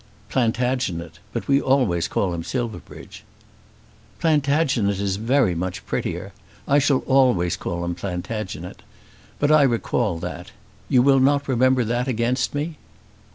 "Plantagenet; but we always call him Silverbridge." "Plantagenet is very much prettier. I shall always call him Plantagenet. But I recall that. You will not remember that against me?"